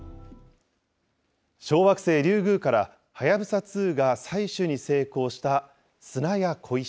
小惑星リュウグウから、はやぶさ２が採取に成功した砂や小石。